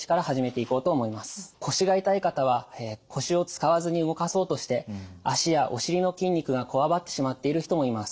腰が痛い方は腰を使わずに動かそうとして脚やお尻の筋肉がこわばってしまっている人もいます。